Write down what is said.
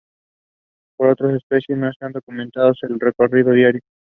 Para otras especies no está documentado el recorrido diario.